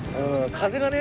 風がね。